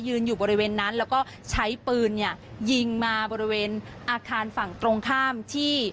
อยู่บริเวณนั้นแล้วก็ใช้ปืนเนี่ยยิงมาบริเวณอาคารฝั่งตรงข้ามที่